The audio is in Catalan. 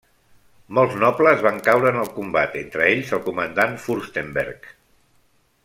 Molts nobles van caure en el combat, entre ells el comandant Fürstenberg.